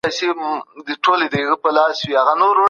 غوښه باید ښه پاخه شي.